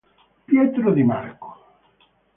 Pietro Di Marco